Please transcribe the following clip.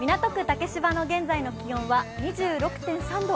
竹芝の現在の気温は２６．３度。